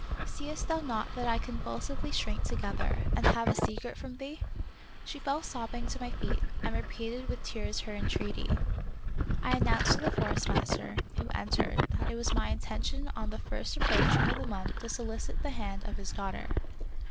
^^ Seest thou not that I convulsively shrink together, and have a secret from thee ?" She fell sobbing to. my feet and repeated with tears her entreaty. I announced to the Forest master, who entered, that it was my intention on the first approaching of the month to solicit the hand of his daughter.